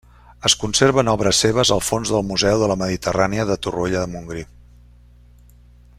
Es conserven obres seves al fons del Museu de la Mediterrània de Torroella de Montgrí.